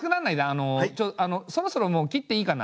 あのそろそろもう切っていいかな？